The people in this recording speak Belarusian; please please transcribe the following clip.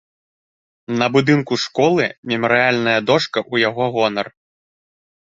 На будынку школы мемарыяльная дошка ў яго гонар.